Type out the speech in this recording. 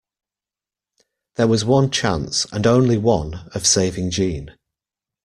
There was one chance, and only one, of saving Jeanne.